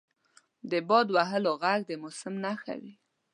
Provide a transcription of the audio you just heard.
• د باد وهلو ږغ د موسم نښه وي.